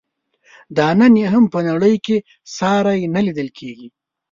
دا نن یې هم په نړۍ کې ساری نه لیدل کیږي.